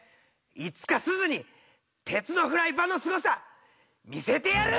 いつかすずに鉄のフライパンのすごさ見せてやる！